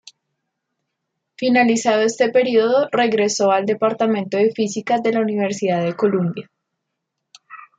Finalizado este período regresó al Departamento de Física de la Universidad de Columbia.